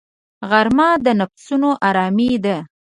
غرمه د نفسونو آرامي ده